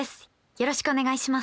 よろしくお願いします。